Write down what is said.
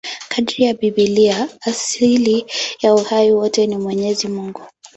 Kadiri ya Biblia, asili ya uhai wote ni Mwenyezi Mungu.